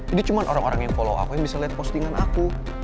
jadi cuma orang orang yang follow aku yang bisa lihat postingan aku